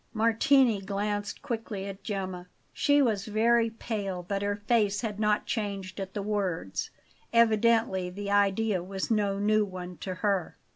Martini glanced quickly at Gemma. She was very pale, but her face had not changed at the words. Evidently the idea was no new one to her.